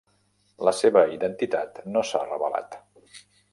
La seva identitat no s'ha revelat.